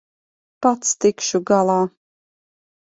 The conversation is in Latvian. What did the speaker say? Pats tikšu galā.